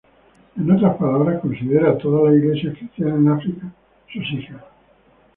En otras palabras, considera todas las iglesias cristianas en África sus hijas.